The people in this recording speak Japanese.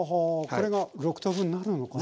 これが６等分になるのかな？